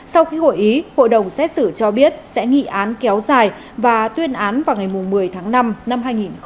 sau khi hội ý hội đồng xét xử cho biết sẽ nghị án kéo dài và tuyên án vào ngày một mươi tháng năm năm hai nghìn hai mươi